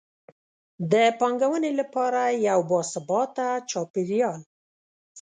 د پانګونې لپاره یو باثباته چاپیریال.